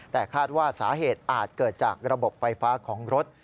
แต่คาดว่าสาเหตุอาจเกิดจากระบบไฟฟ้าของรถ